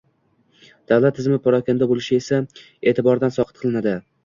davlat tizimi parokanda bo‘lishi esa e’tibordan soqit qilinadi.